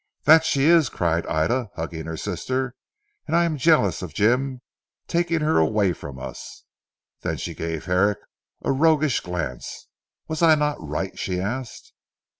"That she is," cried Ida hugging her sister, "and I am jealous of Jim taking her away from us!" Then she gave Herrick a roguish glance. "Was I not right?" she asked.